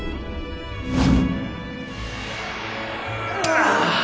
ああ！